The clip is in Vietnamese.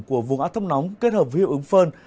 của vùng áp thấp nóng kết hợp với hiệu ứng phơn